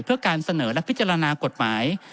เพื่อการเสนอและพิจารณากฎหมาย